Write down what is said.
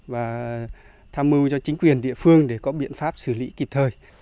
và tham mưu cho chính quyền địa phương để có biện pháp xử lý kịp thời